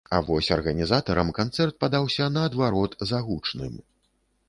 А вось арганізатарам канцэрт падаўся наадварот загучным.